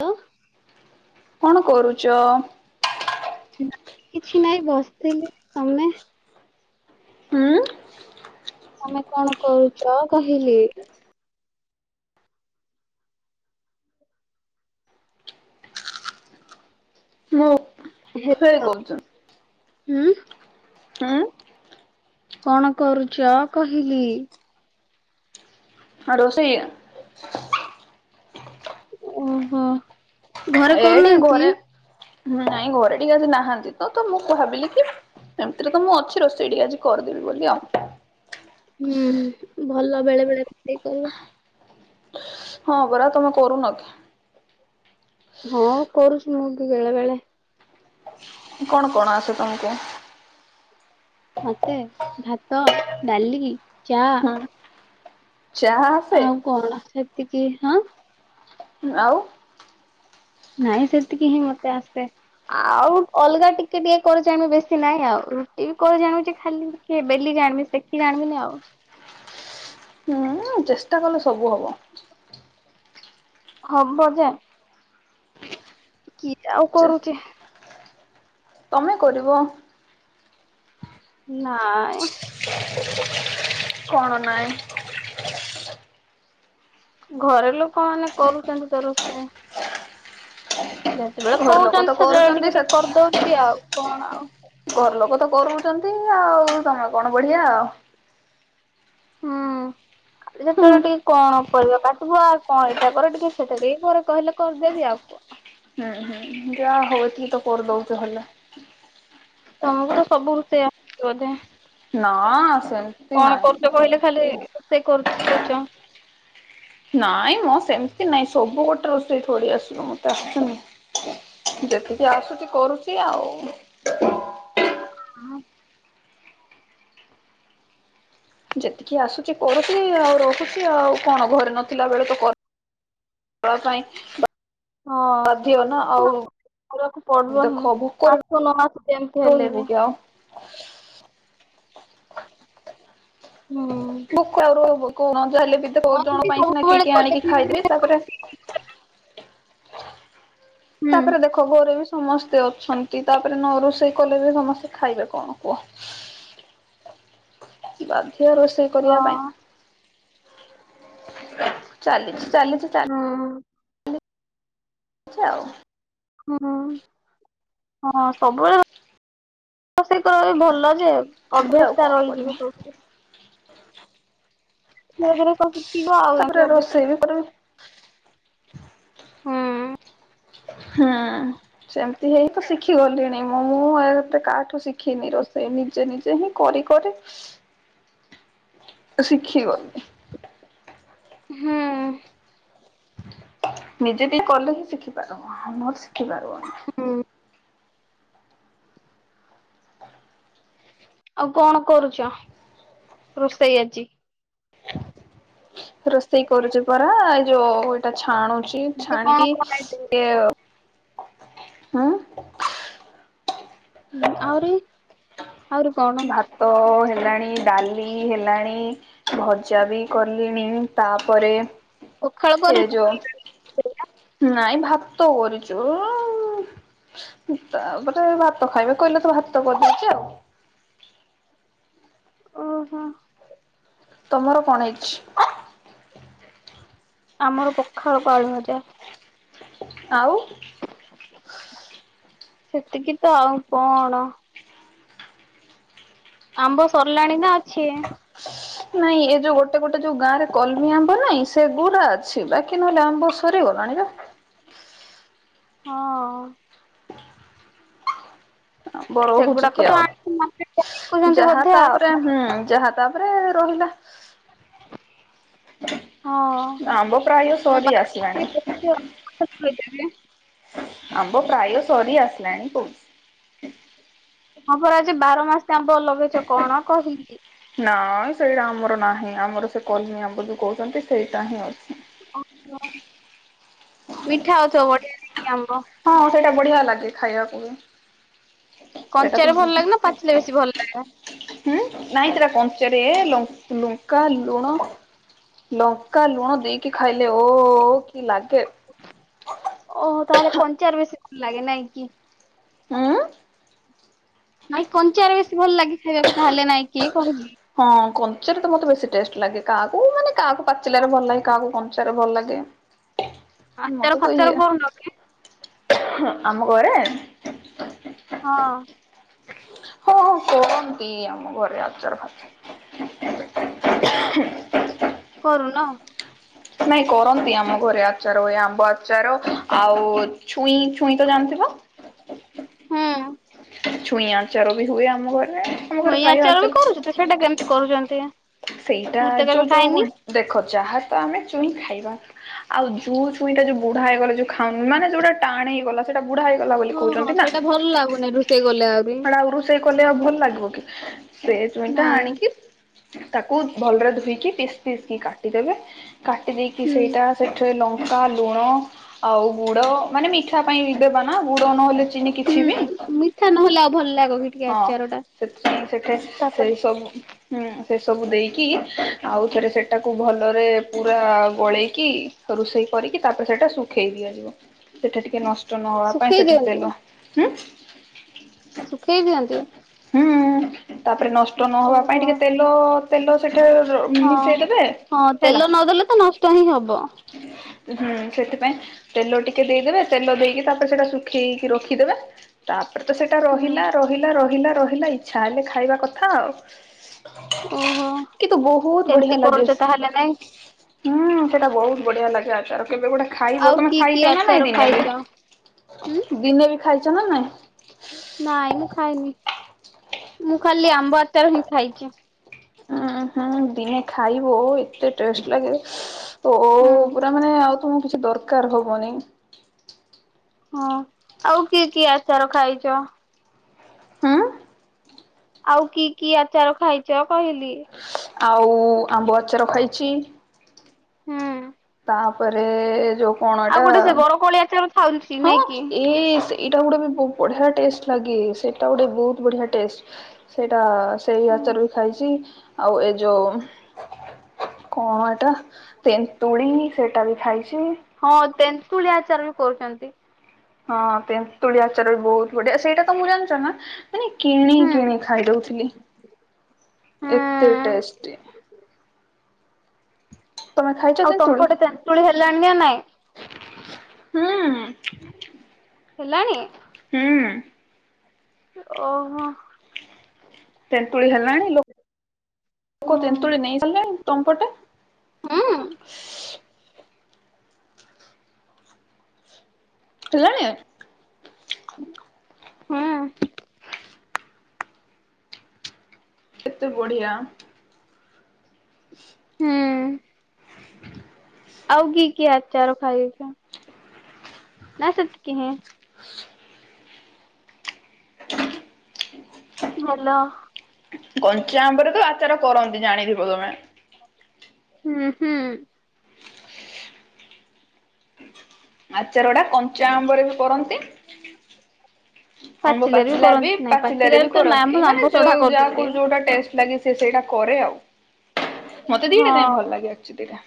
ଲୋ କଣ କରୁଚ? କିଛି ନାଇଁ ବସିଥିଲି, ତମେ? ହୁଁ ‌। ତମେ କଣ କରୁଛ କହିଲି? ମୁଁ ରୋଷେଇ ହେଲୋ କରୁଚି। ହୁଁ। ଆଁ। କଣ କରୁଚ କହିଲି? ହଁ ରୋଷେଇ। ଓ ହୋ। ଏ ଟିକେ ଘରେ ନାଇଁ ଘରେ ଟିକେ ଆଜି ନାହାନ୍ତି ତ, ତ ମୁଁ ଭାବିଲି କି ସେମିତିରେ ତ ମୁଁ ଅଛି, ରୋଷେଇ ଟିକ ଆଜି କରିଦେବି ବୋଲି ଆଉ। ହୁଁ ଭଲ ବେଳେ ବେଳେ ରୋଷେଇ କରିବା। ହଁ ପରା ତୁମେ କରୁନ କି? ହଁ କରୁଛି ମୁଁ ବି ବେଳେ ବେଳେ। କଣ କଣ ଆସେ ତମକୁ? ମତେ ଭାତ, ଡାଲି ଚା ହଁ ଚାହା ଆସେ ଆଉ କଣ ସେତିକି ହଁ। ଆଉ ନାଇଁ ସେତିକି ହିଁ ମତେ ଆସେ। ଆଉ ଅଲଗା ଟିକେ ଟିକେ କରି ଜାଣେ, ବେଶୀ ନାହିଁ ଆଉ। ରୁଟି ବି କରିଜାଣୁଛି ଖାଲି ଟିକେ ବେଲି ଜାଣିବି, ସେକି ଜାଣିବିନି ଆଉ। ହୁଁ ଚେଷ୍ଟା କଲେ ସବୁ ହବ। ହବ ଯେ କି ଟା ଆଉ ଚେ କରୁଚି। ତମେ କରିବ‌? ନାଇଁ। କଣ ନାଇଁ? ଘରେ ଲୋକମାନେ କରୁଛନ୍ତି ତ ରୋଷେଇ। ଯେତେବେଳେ ଘର ଲୋକ ତ କହୁଛନ୍ତି, ସେତେବେଳେ କରୁଚନ୍ତି ଟିକେ ସେ ଟିକେ କରିଦଉଛି ଆଉ କଣ ଆଉ। ଘର ଲୋକ ତ କରୁଚନ୍ତି, ଆଉ ତମେ କଣ ବଢିଆ ଆଉ। ହୁଁ। ଖାଲି ଯେତେବେଳେ ହୁଁ। ଟିକେ କଣ ପରିବା କାଟିବୁ ଆଉ କଣ, ଏଇଟା କର ଟିକେ ସେଇଟା ଟିକେ କର ଘରେ କହିଲେ କରିଦେବି ଆଉ କଣ। ହୁଁ- ହୁଁ ଯାହା ହଉ ଏତିକି ତ କରିଦଉଚ ହେଲେ। ତମକୁ ତ ସବୁ ରୋଷେଇ ଆସିଛି ବୋଧେ? ନା ସେମିତି କଣ ନାଇଁ। କରୁଚ କହିଲେ ଖାଲି, ରୋଷେଇ କରୁଚ କହୁଚ। ନାଇଁ ମ ସେମିତି ନାଇଁ, ସବୁ ଗୋଟେ ରୋଷେଇ ଥୋଡି ଆସିବ ମତେ ହୁଁ। ଯେତିକି ଆସୁଚି କରୁଚି ଆଉ। ଆଉ ଯେତିକି ଆସୁଛି କରୁଛି ଆଉ, ରହୁଛି ଆଉ କଣ ଘରେ ନଥିଲା ବେଳେ ତ କ ଦବା ପାଇଁ ବା ହଁ ବାଧ୍ୟ ନା ଆଉ। କରିବାକୁ ପଡିବ ଦେଖ ହିଁ ଭୋକରେ ଆସୁ ନ ଆସୁ ଯେମିତି ହେଲେ ରହିବୁ ବି? କି ଆଉ। ହୁଁ ଭୋକ ଆରୁ ହବ କଉନା ଯା ହେଲେ ବି ତ ହଁ ଭୋଉତ ଜଣ ଏମିତି ପାଇଁ ସିନା ସବୁବେଳେ କିଏ କିଏ କଲେ ଆଣିକି ଧୀରେ ଧୀରେ ଖାଇଦେବେ। ତାପରେ ହୁଁ। ତାପରେ ଦେଖ ତ ଘରେ ବି ସମସ୍ତେ ଅଛନ୍ତି। ତାପରେ ନ ରୋଷେଇ କଲେ ବି ସମସ୍ତେ ଖାଇବେ କଣ କୁହ। ବାଧ୍ୟ ରୋଷେଇ ହଁ କରିବା ପାଇଁ। ଚାଲିଛି ଚାଲିଛି ଚାଲି ହୁଁ। ଛି ଆଉ। ହୁଁ ହଁ ସବୁବେଳେ ରୋସେଇ କଲେ ଭଲ ଯେ ଗୋଟେ ଆଉ ଅଭ୍ୟାସ ଟା କଣ ରହିଯିବ କରିବି ସବୁ। ଧୀରେ ଧୀରେ କ ତାପରେ ରୋଷେଇ ବି କରିବି। ହୁଁ ହୁଁ। ସେମିତି ହେଇ ତ ଶିଖି ଗଲିଣି। ମୁଁ ଏତେ କାହାଠୁ ଶିଖିନି ରୋଷେଇ। ନିଜେ ନିଜେ ହିଁ କରି କରି ଶିଖିଗଲି। ହୁଁ। ନିଜେ ଟିକେ କଲେ ହିଁ ଶିଖିପାର ଆଉ ନହେଲେ ଶିଖିପାରିବ ହୁଁ। ଆଉ କଣ କରୁଛ ରୋଷେଇ ଆଜି। ରୋଷେଇ କରୁଛି ପରା ଏଇ ଯୋଉ ଏଇଟା ଛାଣୁଚି। ଏଇ ଆଜି କଣ ଛାଣିଵି କଣ ଆଇଟମ୍ କରିଛ? ଏଆଉ ହୁଁ। ହୁଁ ଆହୁରିି ଆହୁରି କଣ? ଭାତ ହେଲାଣି ଡାଲି ହେଲାଣି। ଭଜା ବି କଲିଣି ତାପରେ ପଖାଳ କରିନ? ଏ ଯୋଉ ନାଇଁ ଭାତ କରିଚୁ। [unintelligible] ତାପରେ ଭାତ ଖାଇବେ କହିଲେ ତ ଭାତ କରିଦେଇଛି ଆଉ। ଓହୋ। ତମର କଣ ହେଇଛି? ଆମର ପଖାଳ କୁ ଆଳୁ ଭଜା। ଆଉ ସେତିକି ତ ଆଉ କଣ? ଆମ୍ବ ସରିଲାଣି ନା ଅଛି? ନାଇଁ ଏ ଯୋଉ ଗୋଟେ ଗୋଟେ ଯୋଉ ଗାଁରେ କଲମୀ ଆମ୍ବ ନାଇଁ ସେଗୁଡ଼ା ଅଛି ବାକି ନହେଲେ ଆମ୍ବ ସରି ଗଲାଣି ନା। ହଁ। ଆମ୍ବ ରହୁଚି ସେଗୁଡାକ କି ତ ଆଣିକି ମାର୍କେଟରେ ଆଉ ବିକୁଛନ୍ତି ଯାହା ବୋଧେ ଆଉ। ତାପରେ ହୁଁ ଯାହା ତାପରେ ରହିଲା ହଁ। ଆମ୍ବ ପ୍ରାୟ ସରି ଆସିଲାଣି। କଣ କହିଲେ ଏବେ? ଆମ୍ବ ପ୍ରାୟ ସରି ଆସିଲାଣି କଉ ହଁ ପରା ସେ ବାରମାସୀ ଆମ୍ବ ଲଗେଇଛ କଣ କହିକି? ନାଇଁ ସେଇଡ଼ା ଆମର ନାହିଁ ଆମର ସେ କଲିମୀ ଆମ୍ବ ଯୋଉ କହୁଛନ୍ତି ସେଇଟା ହିଁ ଅଛି। ମିଠା ହଉଥିବ [unintelligible] ଆମ୍ବ ହଁ ସେଇଟା ବଢ଼ିଆ ଲାଗେ ଖାଇବାକୁ ବି। ସେଇଟା କଞ୍ଚାରେ ଭଲ୍ ତ ଲାଗେ ନା ପାଚିଲେ ବେଶୀ ଭଲ୍ ଲାଗେ? ହୁଁ ନାଇଁ ସେରା କଞ୍ଚାରେ ଲଙ୍କ ଲୁଙ୍କା ଲୁଣ ଲଙ୍କା ଲୁଣ ଦେଇକି ଖାଇଲେ ଓଃ କି ଲାଗେ। ଓଃ ହୋ ତାହେଲେ କଞ୍ଚାରେ ବେଶୀ ଭଲ୍ ଲାଗେ ନାଇଁ କି? ହୁଁ। ନାଇଁ କଞ୍ଚାରେ ବେଶୀ ଭଲ୍ ଲାଗେ ଖାଇବାକୁ ତାହେଲେ ନାଇଁ କିଏ କହିଚି? ହଁ କଞ୍ଚାରେ ତ ମତେ ବେଶୀ ଟେଷ୍ଟ୍ ଲାଗେ କାହାକୁ ମାନେ କାହାକୁ ପାଚିଲାରେ ଭଲ୍ ଲାଗେ କାହାକୁ କଞ୍ଚାରେ ତ ଭଲ୍ ଲାଗେ ଆଚାର ମତେ ତ ଫାଚାର ଇଏ କରୁନ କି? ଆମ ଘରେ? ହଁ। ହଁ କରନ୍ତି ଆମ ଘରେ ଆଚାର ଫାଚାର। କରୁନ? ନାଇଁ କରନ୍ତି ଆମ ଘରେ ଆଚାର ବଢ଼ିଆ ଆମ୍ବ ଆଚାର ଆଉ ଛୁଇଁ ଛୁଇଁ ତ ଜାଣିଥିବ? ହଁ। ଛୁଇଁ ଆଚାର ବି ହୁଏ ଆମ ଘରେ। ଆମ ଘରେ ଛୁଇଁ ପ୍ରାୟ ଆଚାର ବି କରୁଚ ସେଇଟା କେମିତି କରୁଚନ୍ତି? ସେଇଟା ଯୋଉ ଯୋଉ ଦେଖ ଯାହା ତ ଆମେ ଚୁଇଁ ଖାଇବା। ଆଉ ଯୋଉ ଛୁଇଁଟା ଯୋଉ ବୁଢ଼ା ହେଇଗଲେ ଯୋଉ ଖାଉନୁ ମାନେ ଯୋଉଟା ଟାଣେ ହେଇଗଲା? ସେଟା ବୁଢ଼ା ହେଇଗଲା ବୋଲି କୋହୁଚନ୍ତି ନା? ଭଲ୍ ଲାଗୁନେଇ ରୋଷେଇ ସେ ଗଲେ ଆହୁରି। ସେଟା ଆଉ ରୁଷେଇ କଲେ ଆଉ ଭଲ୍ ଲାଗିବ କି ସେ ଛୁଇଁ ଟା ନାଇଁ ଆଣିକି ତାକୁ ଭଲରେ ଧୋଇକି ପିସ୍ ପିସ୍ କି କାଟି ଦେବେ କାଟି ଦେଇକି ହୁଁ। ସେଇଟା ସେଥିରେ ଲଙ୍କା ଲଙ୍କା ଲୁଣ ଆଉ ଗୁଡ଼ ମାନେ ମିଠା ପାଇଁ ଦେବା ନା ଗୁଡ଼ ନହେଲେ ଚିନି କିଛି ବି। ହୁଁ ମିଠା ନହେଲେ ଆଉ ଭଲ ଲା ହଁ ସେଥିପାଇଁ ସେଠେ ତାପରେ ସେଇ ସବୁ ହୁଁ ସେ ସବୁ ଦେଇକି ଆଉ ଥରେ ସେଟା କୁ ଭଲରେ ପୁରା ଗୋଳେଇକି ରୋଷେଇ କରିକି ତାପରେ ସେଇଟା ଶୁଖେଇ ଦିଆଯିବ। ସେଟା ଟିକେ ନଷ୍ଟ ନଷ୍ଟ ନ ହବା ପାଇଁ ଶୁଖେଇ ସେଟା ଦିଅନ୍ତି। ତେଲ ହୁଁ। ଶୁଖେଇ ଦିଅନ୍ତି। ହୁଁ ତାପରେ ନଷ୍ଟ ନ ହବା ପାଇଁ ଓହୋ। ଟିକେ ତେଲ ତେଲ ସେଠେ ରୋ ହଁ ହଁ ତେଲ ନ ଦେଲେ ତ ନଷ୍ଟ ହିଁ ହବ। ହୁଁ ସେଥିପାଇଁ ତେଲ ଟିକେ ଦେଇଦେବେ ତେଲ ଦେଇକି ତାପରେ ସେଟା ଶୁଖେଇକି ରଖିଦେବେ ତାପରେ ତ ସେ ଟା ହୁଁ। ରହିଲା ରହିଲା ରହିଲା ରହିଲା ଇଚ୍ଛା ହେଲେ ଖାଇବା କଥା ଆଉ। ଓହୋ କିନ୍ତୁ ବହୁତ ବଢିଆ ଏମିତି ଲାଗେ। କରୁଛ ତାହେଲେ ନାଇଁ ହୁଁ ସେଇଟା ବହୁତ ବଢିଆ ଲାଗେ। ଆଚାର କେବେ ଗୁଡେ ଖାଇବ ଆଉ ତମେ କି କି ଖାଇଛ ନା ନାଇଁ ଆଚାର ଦିନେ ଖାଇଛ? ହୁଁ ବି ଦିନେ ବି ଖାଇଛ ନା ନାଇଁ? ନାଇଁ ମୁଁ ଖାଇନି ମୁଁ ଖାଲି ଆମ୍ବ ଆଚାର ହିଁ ଖାଇଛି। ଉଁ ହୁଁ ଦିନେ ଖାଇବ ଏତେ ଟେଷ୍ଟ ଲାଗେ ଓ ଓ ହୁଁ। ପୁରା ମାନେ ଆଉ ତୁମୁକୁ କିଛି ଦରକାର ହବନି। ହଁ ଆଉ କିଏ କିଏ ଆଚାର ଖାଇଛ? ହୁଁ। ଆଉ କି କି ଆଚାର ଖାଇଛ କହିଲି? ଆଉ ଆମ୍ବ ଆଚାର ଖାଇଛି। ହୁଁ। ତାପରେ ଯୋଉ କଣ ଆଉ ଏଟା ଗୋଟେ ସେ ବରକୋଳି ଆଚାର ଥାଉଛି ହଁ ନାଇଁ କି? ଏଇ ଏଇଟା ଗୋଟେ ବି ବଢିଆ ଟେଷ୍ଟ ଲାଗେ ସେଇଟା ଗୋଟେ ବହୁତ ବଢିଆ ଟେଷ୍ଟ। ସେଇଟା ସେଇ ହୁଁ। ଆଚରରୁ ଖାଇଛି ଆଉ ଏ ଯୋଉ କଣ ଏଇଟା? ତେନ୍ତୁଳି ସେଟା ବି ଖାଇଛି। ହଁ ତେନ୍ତୁଳି ଆଚାର କରୁଛନ୍ତି। ହଁ ତେନ୍ତୁଳି ଆଚାର ବି ବହୁତ ବଢିଆ ସେଇଟା ତ ମୁଁ ଜାଣିଛ ନା। ମାନେ କିଣି ହୁଁ କିଣି ଖାଇ ଦଉଥିଲି ହୁଁ। ଏତେ ଟେଷ୍ଟି। ତମେ ଖାଇଛ ଆଉ ତମ ତେନ୍ତୁଳି? ପଟେ ତେନ୍ତୁଳି ହେଲାଣି ନା ନାଇଁ? ହୁଁ। ହେଲାଣିି? ହୁଁ। ଓହୋଃ। ତେନ୍ତୁଳି ହେଲାଣି ଲୋ-କ ହୁଁ ତେନ୍ତୁଳି ନେଇ ସାରିଲେଣି। ତମ ପଟେ? ହୁଁ। ହେଲାଣି? ହୁଁ। କେତେ ବଢ଼ିଆ। ହୁଁ। [inaudible] ଆଉ କି କି ଆଚାର ଖାଇଛ? [inaudible] ନା ସେତିକି ହିଁ। [inaudible] [inaudible] ହାଲୋ? କଞ୍ଚା ଆମ୍ବରେ ତ ଆଚାର କରନ୍ତି ଜାଣିଥିବ ତମେ। ହୁଁ ହୁଁ। ଆଚାର ଗୁଡ଼ା କଞ୍ଚା ଆମ୍ବରେ ବି କରନ୍ତି ଆମ୍ବ ପାଚିଲାରେ ପାଚିଲା ବି କରନ୍ତି ନାଇଁ ପାଚିଲାରେ ବି ତ କରନ୍ତି। ଆମ୍ବ ମାନେ ଆମ୍ବ ସଢା ଯୋଉ ଯାହା କୁ କରୁଛନ୍ତି। ଯୋଉଟା ଟେଷ୍ଟ ଲାଗେ ସେ ସେଇଟା କରେ ଆଉ। ମତେ ଦିଟା ଯାକେ ହଁ ଭଲ ଲାଗେ [unintelligible] ଦିଟା।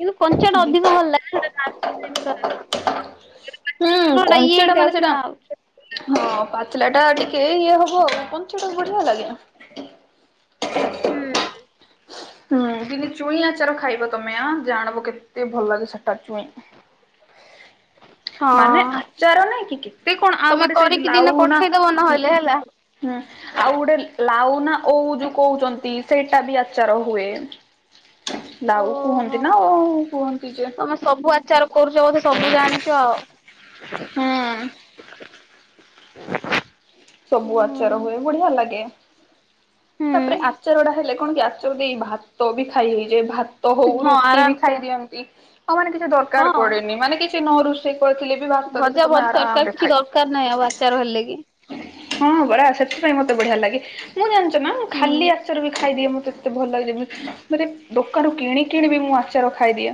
କିନ୍ତୁ କଞ୍ଚା ଟା ଅଧିକ ଭଲ ଲାଗେ। [unintelligible] ହୁଁ ଟା ଇଏ କଞ୍ଚାଟା ମାନେ ହେଇଯାଉଛି ସେଟା ନା ଆଉ। ହଁ ପାଚିଲା ଟା ଟିକେ ଇଏ ହବ ଆଉ। କଞ୍ଚାଟା ବଢ଼ିଆ ଲାଗେ। ହୁଁ। ହୁଁ ଦିନେ ଚୁଇଁ ଆଚାର ଖାଇବ ତମେ ଆ ଜାଣବ କେତେ ଭଲ ଲାଗେ ସେଟା ଚୁଇଁ। [inaudible] ମାନେ ହଁ। ଆଚାର ନାଇଁ କି କେତେ କଣ ଆଉ ତମେ ଗୋଟେ ସେ କରିକି ଦିନେ ଲାଉ ନା ପଠେଇଦବ ହୁଁ ନହେଲେ ହେଲା। ଆଉ ଗୋଟେ ଲାଉ ନା ଓଉ ଯୋଉ କହୁଛନ୍ତି ସେଇଟା ବି ଆଚାର ହୁଏ। [inaudible] ଲାଉ ଓହୋଃ। କୁହନ୍ତି ନା ଓଉ କୁହନ୍ତି ଯେ ତମେ ସବୁ ଆଚାର କରୁଛ ବୋଧେ ସବୁ ଜାଣିଛ ଆଉ। ହୁଁ। ସବୁ ଆଚାର ହୁଏ ବଢ଼ିଆ ଲାଗେ। ତାପରେ ହୁଁ ଆଚାର ଟା ହେଲେ କଣ କି ଆଚାର ଦେଇ ଭାତ ବି ଖାଇ ହେଇଯାଏ। ଭାତ ତ ହଉ ହଁ ରୁଟି ବି ଆରାମ ସେ ଖାଇଦିଅନ୍ତି। ଆଉ ମାନେ କିଛି ଦରକାର ହଁ। ପଡ଼େ ନି, ମାନେ କିଛି ନ ରୋଷେଇ କରିଥିଲେ ବି ଭାତ ରେ ଭଜା ତମେ ଭଜି ତରକାରୀ ଆରାମରେ କିଛି ଖାଇ ଦରକାର ନାହିଁ ଆଉ ଆଚାର ହେଲେ କି। ହଁ ପରା ସେଥିପାଇଁ ମତେ ବଢ଼ିଆ ଲାଗେ। ମୁଁ ଜାଣିଛ ନା ମୁଁ ହୁଁ। ଖାଲି ଆଚର ବି ଖାଇଦିଏ। ମତେ ମତେ ଭଲ ଲାଗେ ଯେମିତି। ମାନେ ଦୋକାନରୁ କିଣି କିଣି ବି ମୁଁ ଆଚାର ଖାଇଦିଏ।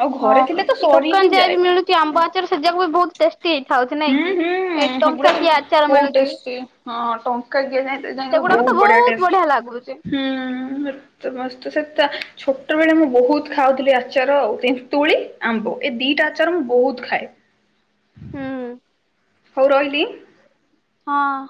ଆଉ ହଁ ଘରେ ଥିଲେ ତ ଏ ସରି ହିଁ ଦୋକାନ ଯାହା ବି ଯାଏ ମିଳୁଛି ଆମ୍ବ ଆଚାର [unintelligible] ବି ବହୁତ ଟେଷ୍ଟି [unintelligible] ନାଇଁ ହୁଁ କି? ହୁଁ ଏ ହେଗୁଡା ଟଙ୍କା କିଏ ଆଚାର ବହୁତ ମିଳୁଛି। ଟେଷ୍ଟି ହଁ ଟଙ୍କା କିଆ ଯାଇ ଯାଇକି ସେଗୁଡାକ ତ ବହୁତ ବଢ଼ିଆ ଟେଷ୍ଟ। ବଢିଆ ଲାଗୁଛି। [unintelligible] ସେଟା ଛୋଟ ବେଳେ ମୁଁ ବହୁତ ଖାଉଥିଲି ଆଚାର ଆଉ ତେନ୍ତୁଳି ଆମ୍ବ ଏ ଦିଇଟା ଆଚାର ମୁଁ ବହୁତ ଖାଏ। ହୁଁ। ହଉ ରହିଲି। ହଁ।